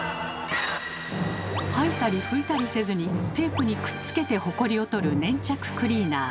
掃いたり拭いたりせずにテープにくっつけてホコリを取る粘着クリーナー。